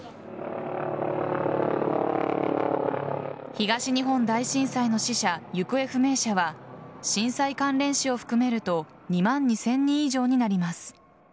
東日本大震災の死者行方不明者は震災関連死を含めると２万２０００人以上になります。